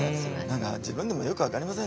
何か自分でもよく分かりませんね。